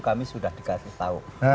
kami sudah dikasih tahu